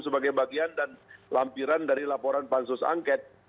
sebagai bagian dan lampiran dari laporan pansus angket